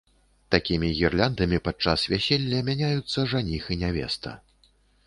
Такімі гірляндамі падчас вяселля мяняюцца жаніх і нявеста.